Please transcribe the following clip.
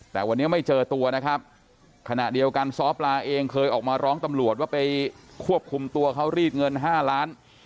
แต่วันนี้ไม่เจอตัวนะครับขณะเดียวกันซ้อปลาเองเคยออกมาร้องตำรวจว่าไปควบคุมตัวเขารีดเงิน๕ล้าน